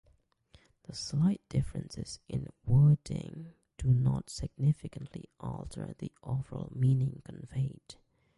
The slight differences in wording do not significantly alter the overall meaning conveyed.